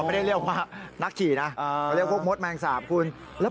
ทำไมถึงเรียกเขานักขึง